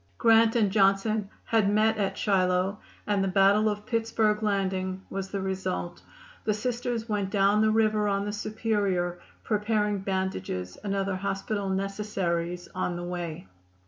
Grant and Johnson had met at Shiloh and the battle of Pittsburg Landing was the result. The Sisters went down the river on the Superior, preparing bandages and other hospital necessaries on the way.